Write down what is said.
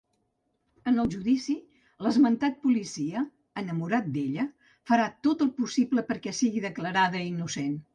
En el judici, l'esmentat policia, enamorat d'ella, farà tot el possible perquè sigui declarada innocent.